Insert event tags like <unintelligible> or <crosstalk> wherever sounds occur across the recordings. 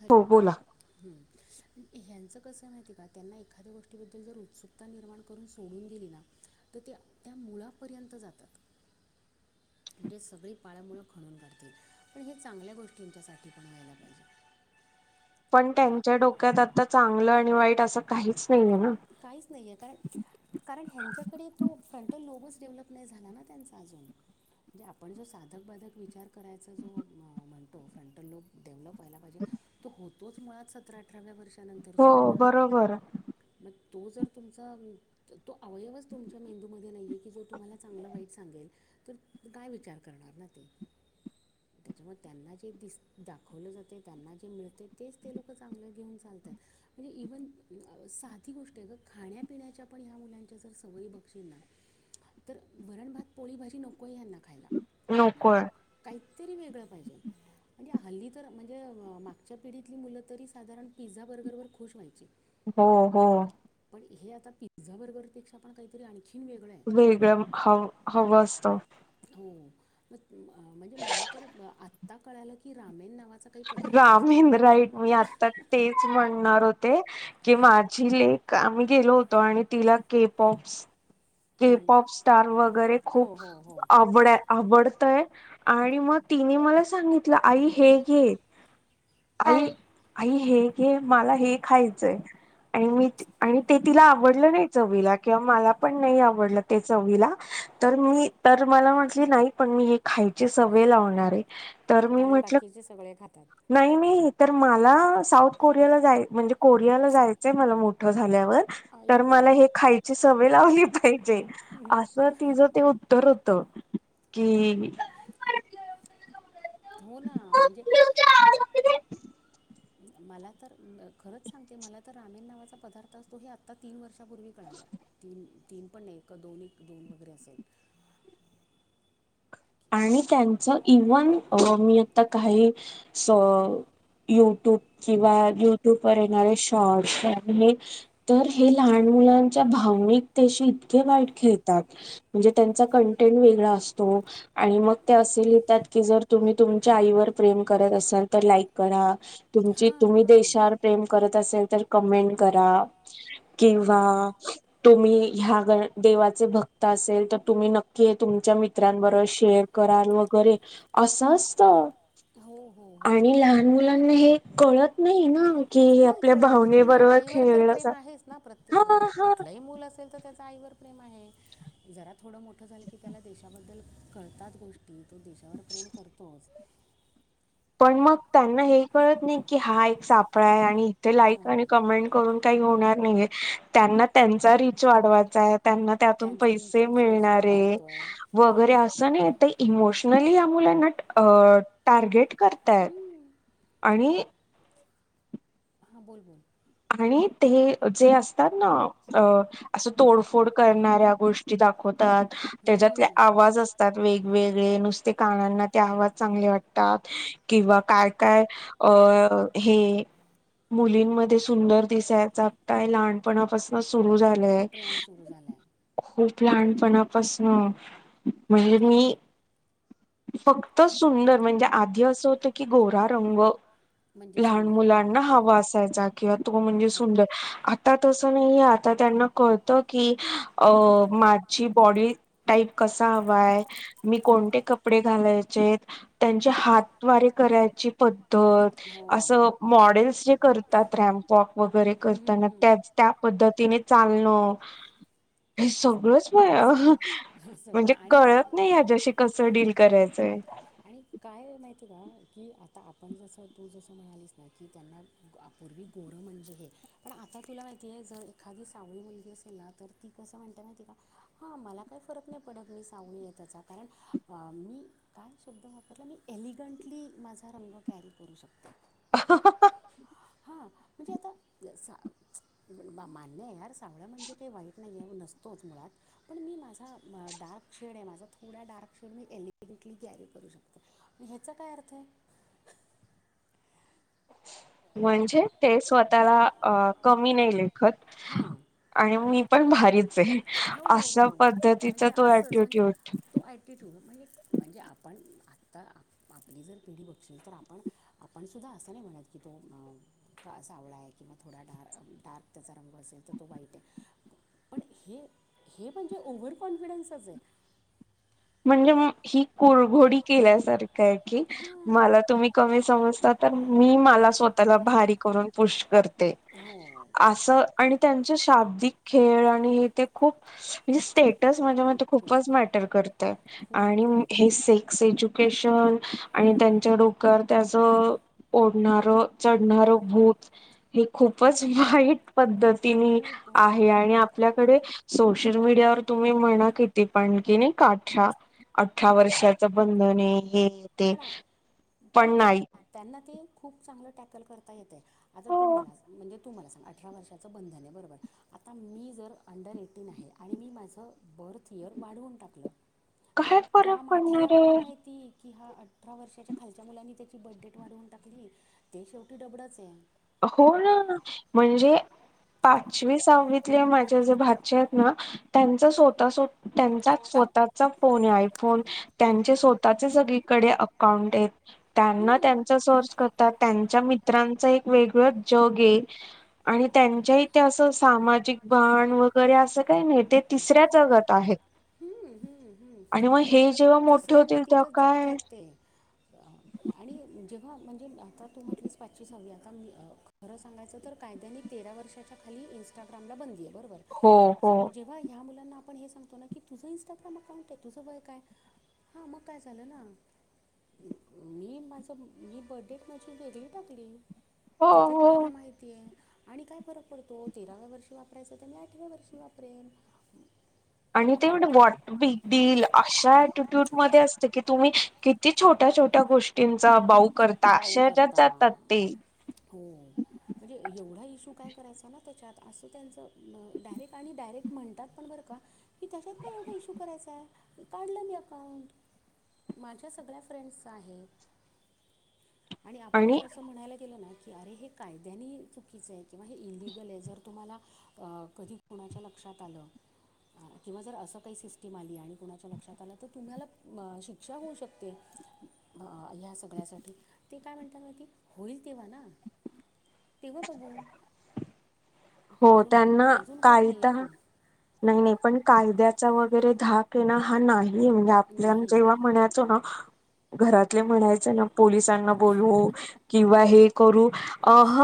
अ ह्यांच कसं माहिती आहे का त्यांना एखाद्या गोष्टीबद्दल जर उत्सुक त्ता निर्माण करून सोडून गेली ना तर ते त्या मुळापर्यंत जातात. म्हणजे सगळी पाळंमुळं खणून काढतील पण हे चांगल्या गोष्टींच्यासाठी पण व्हायला पाहिजे. <inaudible> पण त्यांच्या डोक्यात आता चांगलं आणि वाईट असं काहीच नाहीये ना. काहीच नाही आहे काय? कारण ह्यांच्याकडे तो फ्रंटल लोबच डेव्हलप नाही झाला ना त्यांचा अजून. म्हणजे आपण जो साधक, बाधक विचार करायचा जो म्हणतो फ्रंटल लोप डेव्हलप व्हायला पाहिजे तो होतोच मुळात सतरा, अठराव्या वर्षानंतर सुरू ना. बरं. मग तो जर तुमचा तो अवयवच तुमच्या मेंदूमध्ये नाहीये की जो तुम्हाला चांगलं वाईट सांगेल. तर काय विचार करणार ना ते? त्याच्यामुळे त्यांना जे दिस दाखवलं जाते त्यांना जे मिळते तेच ते लोकं चांगलं घेऊन चालतात. मी इवन सात ही गोष्ट आहे गं खाण्यापिण्याच्या पण ह्या मुलांच्या जर सवयी बगशील ना तर वरण भात पोळीभाजी नको आहे ह्यांना खायला नको हाय. काय तरी वेगळ पाहिजे. म्हणजे हल्ली तर म्हणजे मागच्या पिढीतली मुलं तरी साधारण पिझ्झा बर्गरवर खुश व्हायची हो हो. पण हे आता पिझ्झा बर्गरपेक्षा पण काहीतरी आणि वेगळंम हव हवं असतं. हो म म्हणजे मला तर आता कळालं की रामेण नावा रामेंन राईट मी आता तेच म्हणणार होते की माझी लेक आम्ही गेलो होतो आणि तिला केपऑप्स ते पॉप स्टार वगैरे खूप अवघड हाय. आवडतय आणि म तिने मला सांगितलं आई हे घे. आई आई हे घे मला हे खायचंय. आणि मी आणि ते तिला आवडलं नाही चवीला किंवा मला पण मला ही नाही आवडले ते चवीला तर म मी तर मला म्हटंली नाही पण मी हे खायची सवय लावणार हाय तर मी म्हटलं नाही नाही. तर मला साऊथ कोरियाला जाय म्हणजे कोरियाला जायचंय मला मोठं झाल्यावर. तर मला हे खायची सवय लावली पाहिजे अस तिझं ते उत्तर होत की हो ना म्हणजे. मला तर खरंच सांगते मला तर रामेन नावाचा पदार्थ असतो हे आ आता तीन वर्षापूर्वी कळाल्या तीन तीन पण न्हाय एक दोन एक दोन वगैरे असेल. आणि त्यांचं इव्हन मी आता काही स यूट्यूब किंवा युट्यूब वर येणारे शॉर्टस यातून हे तर हे लहान मुलांच्या भावनिकतेशी इतके वाईट खेळतात म्हणजे त्यांचा कंटेंट वेगळा असतो. आणि मग ते असे लिहितात की जर तुम्ही तुमच्या आईवर प्रेम करत असाल तर लाईक करा तुमची तुम्ही देशावर प्रेम करत असेल तर कमेंट करा किंवा तुम्ही ह्या ग देवाचे भक्त असेल तर तुम्ही नक्की तुमच्या मित्रांबरोबर शे शेअर कराल वगैरे अस असतं आणि लहान मुलांना हे कळत नाही ना नाही कळत ह म्हणजे आईवर तर प्रेम आहेच ना प्रत्येक म्हणजे कुठल्याही मूल असेल तर त्याचा आईवर प्रेम आहे जरा थोडं मोठं झालं की त्याला देशाबद्दल कळतात गोष्टी तो देशावर प्रेम करतोच. पण मग त्यांना हे कळत नाही की हा एक सापळा आहे आणि इथे लाईक आणि कमेंट करून काही होणार नाहीये त्यांना त्यांचा रीच वाढवायचा आहे त्यांना त्यातून पैसे मिळणारे वगैरे असं नाही ते इमोशनली या मुलांना अं टार्गेट करतायत. आणि हां बोल बोल. आणि ते जे असतात ना अं असं तोडफोड करणाऱ्या गोष्टी दाखवतात त्याज्यातले आवाज असतात वेग वेगळे नुसते कानांना ते आवाज चांगले वाटतात किंवा काय काय अ हे मुलींमध्ये सुंदर दिसायचा <unintelligible> लहानपणा पासूनच सुरू झाले ले खूप लहानपणा पासन म्हणजे मी फक्त सुंदर म्हणजे आधी असं होतं की गोरा रंग लहान मुलांना हवा असायचा किंवा तो म्हणजे सुंदर आता तसं नाहीये आता त्यांना कळत की अ मा झी बॉडी टाईप कसा हवाय मी कोणते कपडे घालायचेत? त्यांच्या हातद्वारे करायची पद्ध त असं मॉडेल्स जे करतात रॅम्प वॉक वगैरे करताना त्याच त्या पद्धतीने चालणं, हे सगळंच <inaudible> म्हणजे कळत नाही ह्याज्याशी कसं डील करायचंय. आणि काय माहिती हे का की आता आपण जसं तू जसं म्हणालीस ना की त्यांना अ पूर्वी गोरं म्हणजे हे पण आता तुला माहिती हे जर एखादी सावळी मुलगी असेल ना तर ती कसं म्हणते माहीतीये का हां मला काही फरक नाही पडत मी सावळी आहे त्याचा कारण मी काय शब्द वापरला मी एलिगंटली माझा रंग कॅरी करू शकतेय. ह हां हां हां म्हणजे आता जसा बा मान्य आहे यार सावळं म्हणजे ते वाईट नाही आहे नसतोच मुळात पण मी माझा म डार्क शेड आहे माझा थोडा डार्क शेड मी एलिगेंटली कॅरी करू शकतो. ह्याचा काय अर्थ हाय? म्हणजे ते स्वतःला अ कमी नाही लेखत. आणि मी पण भारीच आहे. असा पद्धतीचा तो ॲटिट्यूड तो ॲटिट्यूड म्हणजे म्हणजे आपण आत्ता आप आपली जर पिढी बघशील तर आपण आपण सुद्धा असं नाही म्हणत की तो अं सावळा आहे किंवा थोडा डार डार्क त्याचा रंग असेल तर तो वाईट हे पण हे हे म्हणजे ओव्हर कॉन्फिडन्सच आहे. म्हणजे ही कुरघोडी केल्यासारख हाय की मला तुम्ही कमी समजतात तर मी मला स्वतःला भारी करून पुश करते आसं. आणि त्यांचे शाब्दिक खेळ आणि हे ते खूप म्हणजे स स्टेटस माझ्या मते खूपच मॅटर करतं आणि म हे से एज्युकेशन आणि त्यांच्या डोक्यावरती आसं ओढणार चढणारं भूत हे खूपच वाईट पद्धत ती मी आहे आणि आपल्याकडे सोशल मीडियावर तुम्ही म्हणा किती पण की नाही का अठरा अठरा वर्षात च बंधन हे ते, पण नाही. त्यांना ते खूप चांगलं टॅकल करता येतंय आता तू मला सांग म्हणजे तू मला सांग अठरा वर्षाचं बंधन आहे बरोबर आता मी जर अंडर एटीन आहे आणि मी माझं बर्थ इयर वाढवून टाकलं. त्यात त्या माठ्याला काय माहिती? की हा अठरा वर्षाच्या खालच्या मुलांनी त्याची बर्थडेट वाढवून टाकली ते शेवटी डबडंच आहे. हो ना म्हणजे पाचवी सहावीतले मा झ्या भाच्या आहेत ना त्यांच्या स्वतः स्व त्यांच्याच स्वतः चा फोन आहे आयफोन त्यांचे स्वतःचे सगळीकडे अकाउंट आहेत. त्यांना त्यांचा सोर्स करतात त्यांच्या मित्रांचा एक वेगळंच जग आहे आणि त्यांच्याही ते असं सामाजिक वण व गैरे असं काही नाही ते तिसऱ्या जगत आहे हम्म, हम्म, हम्म म्हणजे तिसऱ्या मितीतच जगताय ते आणि जेव्हा म्हणजे आता तू म्हटलीस पाचशे सहावी आता मी अ खरं सांगायचं तर कायद्याने तेरा वर्षाच्या खाली इन्स्टाग्रामला बंदली आहे बरोबर हो, हो जेव्हा ह्या मुलांना आपण हे सांगतो ना की तुझं इंस्टाग्राम अकाउंट आहे तुझं वय काय हां मग काय झालं ना मी माझं मी बर्डे डेट माझी वेगळी टाकली तिथे कोणाला माहितीये आणि काय फरक पडतो तेराव्या वर्षी वापरायचं तर मी आठव्या वर्षी वाप परेन आणि ते म्हणे वॉ भितील अशा ऍटिट्यूड मध्ये असते की तुम्ही किती छोट्या छोट्या गोष्ट ष्टींचा चा बाऊ करताात अश्या ह्याजांत जातात ते हो म्हणजे एवढा इश्यू काय करायचा ना त्याच्यात असं त्यांचं डायरेक्ट आणि डायरेक्ट म्हणतात पण बरं का की त्याच्यात काय एवढा इशू करायचा आहे काढलं मी अकाउंट माझ्या सगळ्या फ्रेंड्सचा आहे आणि आपण जर असं म्हणायला गेलं ना की अरे हे कायद्याने चुकीचं आहे किंवा हे इलिगल आहे जर तुम्हाला अ कधी कुणाच्या लक्षात आलं किंवा जर असं काही सिस्टीम आली आणि कुणाच्या लक्षात आलं तर तुम्हाला बा अ शि शिक्षा होऊ शकते आ या स सगळ्यासाठी ते काय म्हणतात माहिती होईल तेव्हा ना तेव्हा बघू हो त्यांना कायदा नाही, नाही पण कायद्याचा वगैरे धाक आहे ना हा नाही म्हणजे आपल्या जेव्हा म्हणायचो ना घरातले म्हणायच ना पोलिसांना बोलवू किंवा हे करू अह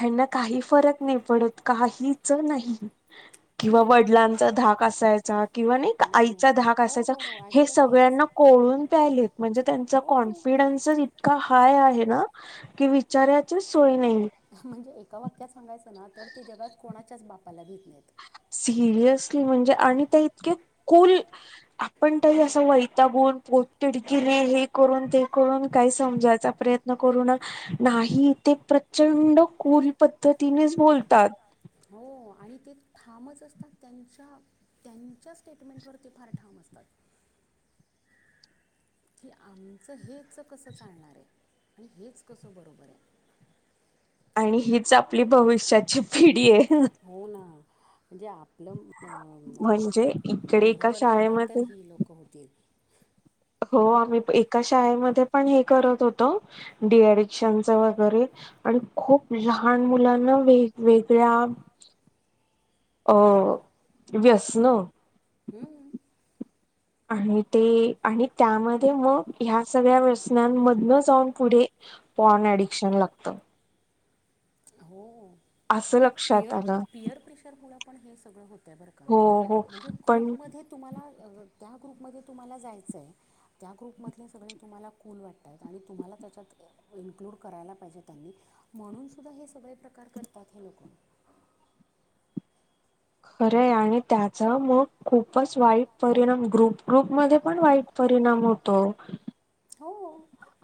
ह्यांना काही फरक नाही पडत काहीच नाही किंवा वडिलांचा धाक असायचा किंवा नाही का आईचा धाक असायचा हे सगळ्यांना कोळून <unintelligible> म्हणजे तुमचा कॉन्फिडन्सच इत का हाय आहे ना की विचाराची सोय नाही म्हणजे एका वाक्यात सांगायचं ना तर ते जगात कोणाच्याच बापाला भेत नाहीत सिरियसली म्हणजे आणि ते इतके कुल आपण तही असं वैतागून पोटतीडकीने हे करून ते करून काय समजायचा प्रयत्न करूना नाही ते प्रचंड कूल पद्धतीनेच बोलतात हो आणि ते ठामच असतात त्यांच्या त्यांच्या स्टेटमेंटवर ते फार ठाम असतात कि आमचं हेच कसं चालणार आहे आणि हेच कसं बरोबर आहे आणि हीच आपली भविष्याची पिढी आहे हो ना म्हणजे आपलं एक पंधरा वर्षानंतर ही लोकं होतील. हो आम्ही एका शाळेमध्ये पण हे करत होतो डडीएडिक्शनच वगैरे. आणि खूप लहान मुलांना वेगवेेगळ्या अ व्यसन हम. आणि ते आणि त्यामध्ये मग ह्या सगळ्या व्यसनांमधनं जाऊन पुढे पॉन एडिक्शन लागतं. हो. असं लक्षात आलं. पिअर प्रेशरमुळं पण हे सगळं होतं आहे बरं का, म्हणजे ग्रुपमध्ये तुम्हाला, त्या ग्रुपमध्ये तुम्हाला जायचं आहे. त्या ग्रुपमधले सगळे तुम्हाला कूल वाटत आहेत. आणि तुम्हाला त्याच्यात इन्क्लूड करायला पाहिजे त्यांनी. म्हणून सुद्धा हे सगळे प्रकार करतात हे लोकं. खरे आणि त्याचा मग खूपच वाईट परिणाम ग्रुप- ग्रुप मध्ये पण वाईट परिणाम होतो. हो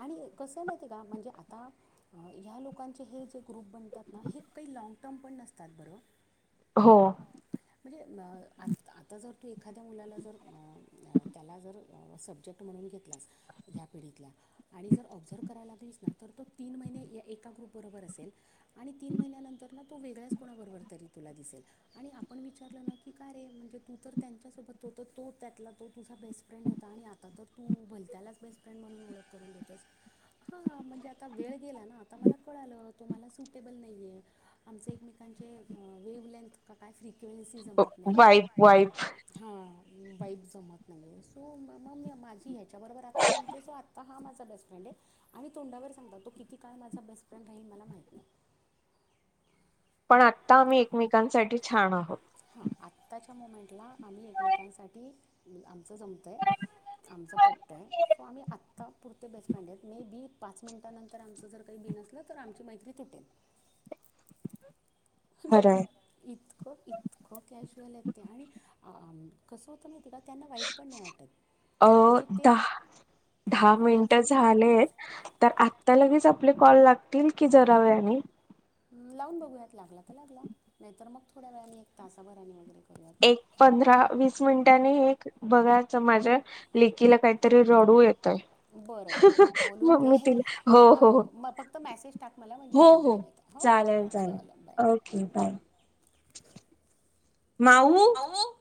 आणि कसं आहे माहिती आहे का म्हणजे आता ह्या लोकांचे हे जे ग्रुप बनतात ना हे काही लँग टर्म पण नसतात बरं. हो. म्हणजे आ आता जर तू एखाद्या मुलाला जर, त्याला जर सब्जेक्ट नाही घेतला या पिढीतला आणि जर ऑब्झर्व करायला लागलीस ना तर तो तीन महिने या एका ग्रुप बरोबर असेल. आणि तीन महिन्यानंतर ना तो वेगळ्याच कोणाबरोबर तरी तुला दिसेल आणि आप पण विचारलं ना की काय रे म्हणजे तू तर त्यांच्यासोबत होत तो त्यातला तो तुझा बेस्ट फ्रेंड होता आणि आता तर तू भलत्यालाच बेस्ट फ्रेंड म्हणून ओळख करून देतोस, हां म्हणजे आता वेळ गेला ना. आता मला कळालं तो मला सुटेबल नाहीये. आमचे एकमेकांचे वेव्ह लेंथ का काय फ्रिक्वेन्सी जमत नाहीये. हा बाईफ जमत नाहीये सो मग माझी ह त्याच्याबरोबर आता जमते सो आता हा माझा बेस्ट फ्रेंड आहे. आणि तोंडावर सांगतत तो किती काळ माझा बेस्ट फ्रेंड आहे मला माहित नाही. पण आत्ता आम्ही एकमेकांसाठी छान आहोत. हां आत्ताच्या मुमेंटला आम्ही एकमेकांसाठी आमचं जमतंय. आमचं पटतंय. तो आम्ही आत्ता पुरते बेस्ट फ्रेंड आहेत मे बी पाच मिनिटांनंतर आमचं जर काही बिनसलं तर आमची मैत्री तुटेल. म्हणजे इ इतकं- इतकं कॅज्युअल आहेत त्या आणि कस होत हो का त्यांना वाईट पण नाही वाटत, म्हणजे ते दहा मिनट झालेत तर आता लगेच आपले कॉल लागतील? की जरा वेळानी. लावून बघूयात लागला तर लागला, नाहीतर मग थोड्या वेळानी एक तासाभराने वगैरे एक पंधरा वीस मिनिटांनी एक बघायचं माझं ल तिला काहीतरी रडू येतय. मम्मी तिला, हो हो हो हो चालेल, चालेल, ओके बाय. माऊ.